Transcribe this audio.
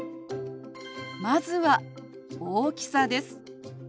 まずは大きさです。